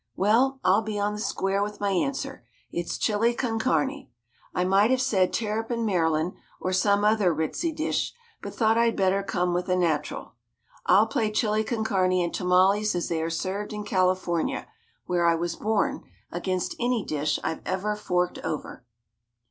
Well, I'll be on the square with my answer. ... It's Chili con Carne. I might have said Terrapin Maryland, or some other Ritzy dish, but thought I'd better come with a natural. I'll play Chili con Carne and tamales as they are served in California (where I was born) against any dish I've ever forked over.